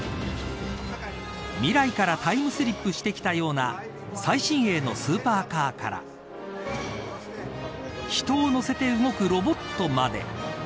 未来からタイムスリップしてきたような最新鋭のスーパーカーから人を乗せて動くロボットまで。